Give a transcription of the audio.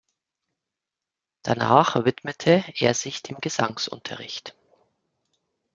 Danach widmete er sich dem Gesangsunterricht.